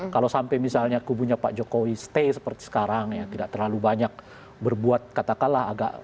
kalau sampai misalnya kubunya pak jokowi stay seperti sekarang ya tidak terlalu banyak berbuat katakanlah agak